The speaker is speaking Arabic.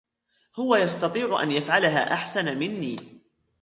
هو يستطيع أن يفعلها أحسن مني.